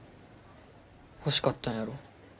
欲しかったんやろ。